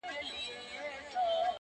اوس له نړۍ څخه خپه يمه زه.